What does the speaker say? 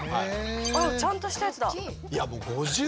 あっちゃんとしたやつだ。